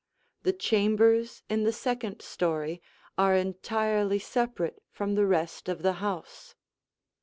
The chambers in the second story are entirely separate from the rest of the house.